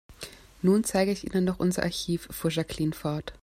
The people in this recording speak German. Nun zeige ich Ihnen noch unser Archiv, fuhr Jacqueline fort.